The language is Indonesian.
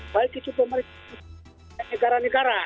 baik itu pemilik negara negara